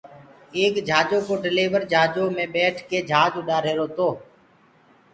ايڪ جھآجو ڪو ڊليورَ جھآجو مي ٻيٺڪي جھآج اُڏآهيروَ تو